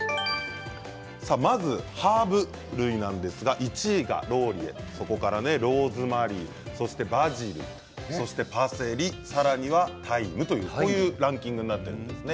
まずハーブ類なんですが１位がローリエそこからローズマリー、バジルパセリさらにはタイム、こういうランキングになっているんですね。